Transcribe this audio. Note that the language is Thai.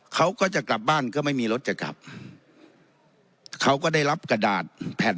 เขาก็จะกลับบ้านก็ไม่มีรถจะกลับเขาก็ได้รับกระดาษแผ่น